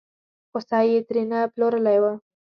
خوسی یې ترې نه پلورلی و.